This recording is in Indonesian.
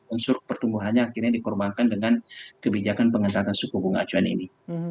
unsur pertumbuhannya akhirnya dikorbankan dengan kebijakan pengentatan suku bunga acuan ini